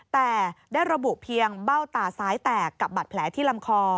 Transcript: แต่ได้ระบุเพียงเบ้าตาซ้ายแตกกับบัตรแผลที่ลำคอ